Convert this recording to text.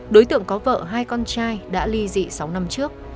đối tượng có vợ hai con trai đã ly dị sáu năm trước